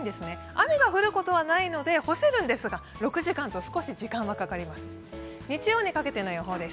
雨が降ることはないので、干せるんですが、６時間と少し時間はかかります。